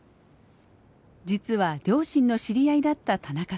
実は両親の知り合いだった田中さん。